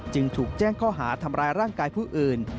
จึงถูกแจ้งข้อหาทำร้ายร่างกายผู้อื่น